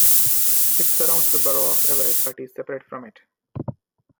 It surrounds the borough of Everett but is separate from it.